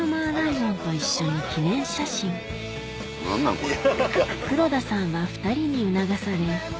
何なんこれ。